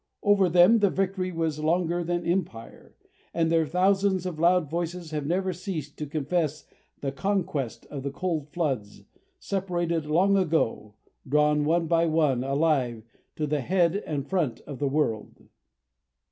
Over them the victory was longer than empire, and their thousands of loud voices have never ceased to confess the conquest of the cold floods, separated long ago, drawn one by one, alive, to the head and front of the world.